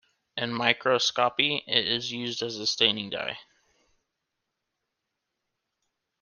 In microscopy, it is used as a staining dye.